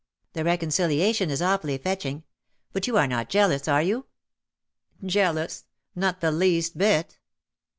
The reconciliation is awfully fetcbing. But you are not jealous, are you T' " Jealous ? Not the least bit.'